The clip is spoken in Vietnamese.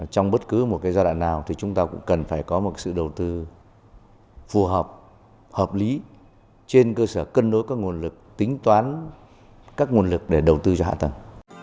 trong bất cứ một giai đoạn nào thì chúng ta cũng cần phải có một sự đầu tư phù hợp hợp lý trên cơ sở cân đối các nguồn lực tính toán các nguồn lực để đầu tư cho hạ tầng